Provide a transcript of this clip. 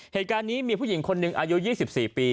เหตุการณ์นี้มีผู้หญิงคนหนึ่งอายุ๒๔ปี